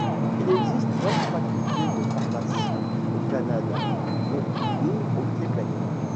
Il existe neuf facultés de pharmacie au Canada, dont deux au Québec.